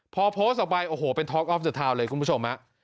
พอโพสต์ออกไปโอ้โหเป็นท็อกออฟเตอร์ทาวน์เลยคุณผู้ชมฮะ